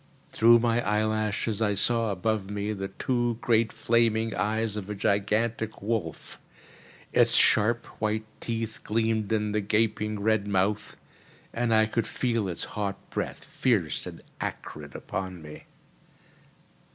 Through my eyelashes I saw above me the two great flaming eyes of a gigantic wolf. Its sharp white teeth gleamed in the gaping red mouth, and I could feel its hot breath fierce and acrid upon me.